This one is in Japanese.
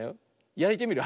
やいてみる。